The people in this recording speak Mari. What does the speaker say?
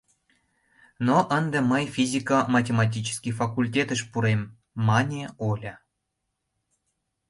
— Но ынде мый физико-математический факультетыш пурем, — мане Оля.